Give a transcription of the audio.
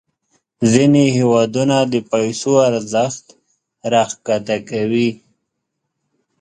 ځینې هیوادونه د پیسو ارزښت راښکته کوي.